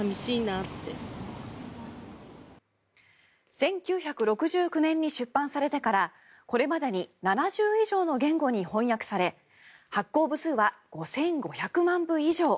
１９６９年に出版されてからこれまでに７０以上の言語に翻訳され発行部数は５５００万部以上。